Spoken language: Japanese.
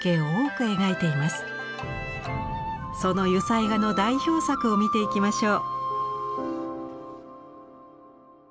その油彩画の代表作を見ていきましょう。